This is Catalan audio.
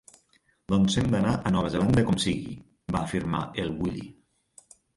Doncs hem d'anar a Nova Zelanda com sigui —va afirmar el Willy.